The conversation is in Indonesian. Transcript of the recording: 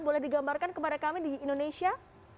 boleh digambarkan kepada kami di indonesia